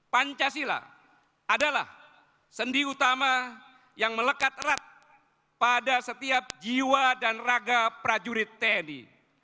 pancasila adalah sendi utama yang melekat erat pada setiap jiwa dan raga prajurit tni